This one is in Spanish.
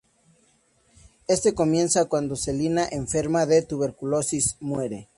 Este comienza cuando Celina, enferma de tuberculosis, muere.